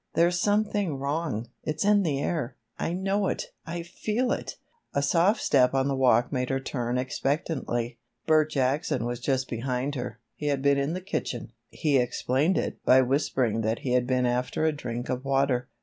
"There's something wrong; it's in the air! I know it! I feel it!" A soft step on the walk made her turn expectantly. Bert Jackson was just behind her. He had been in the kitchen. He explained it by whispering that he had been after a drink of water.